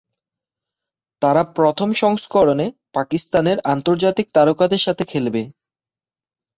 তারা প্রথম সংস্করণে পাকিস্তানের আন্তর্জাতিক তারকাদের সঙ্গে খেলবে।